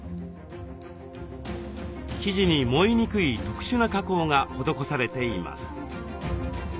生地に燃えにくい特殊な加工が施されています。